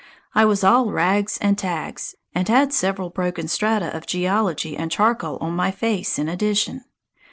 I was all "rags and tags," and had several broken strata of geology and charcoal on my face in addition.